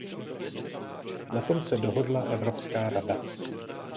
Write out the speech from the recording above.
Na tom se dohodla Evropská rada.